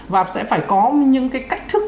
và sẽ phải có những cái cách thức